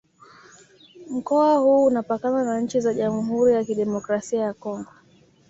Mkoa huu unapakana na nchi za Jamhuri ya Kidemokrasi ya Kongo